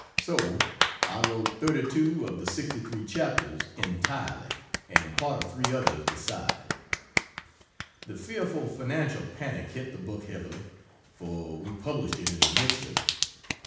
So I wrote 32 of the 63 chapters entirely and part of 3 others beside. The fearful financial panic hit the book heavily, for we published it in the midst of it.